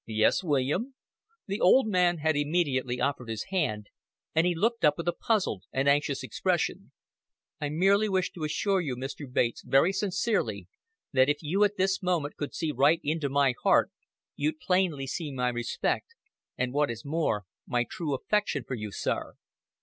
"Yes, William?" The old man had immediately offered his hand, and he looked up with a puzzled and anxious expression. "I merely wish to assure you, Mr. Bates, very sincerely, that if you at this moment could see right into my heart, you'd plainly see my respect, and what is more, my true affection for you, sir."